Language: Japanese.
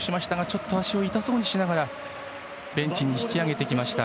ちょっと足を痛そうにしながらベンチに引き上げてきました。